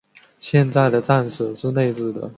现在的站舍是内置的。